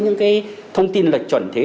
những cái thông tin lịch chuẩn thế